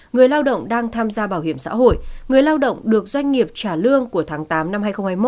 người lao động đang tham gia bảo hiểm xã hội người lao động được doanh nghiệp trả lương của tháng tám năm hai nghìn hai mươi một